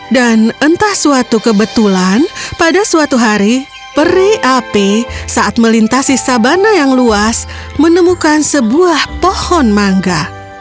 dan entah suatu kebetulan pada suatu hari perih api saat melintasi sabana yang luas menemukan sebuah pohon mangga